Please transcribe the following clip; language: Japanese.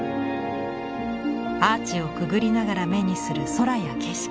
アーチをくぐりながら目にする空や景色。